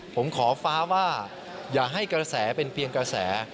ผมขอฟ้าว่าอย่าให้กระแสเป็นเพียงกระแส